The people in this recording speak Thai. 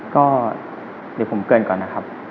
ก็เดี๋ยวผมเกินก่อนนะครับ